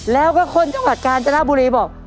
แล้วก็คนจังหวัดกาญจนบุรีบอก